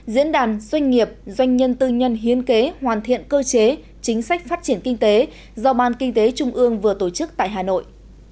diễn đàn doanh nghiệp doanh nhân tư nhân hiến kế hoàn thiện cơ chế chính sách phát triển kinh tế do ban kinh tế trung ương vừa tổ chức tại hà nội